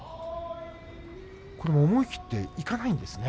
思い切っていかないんですね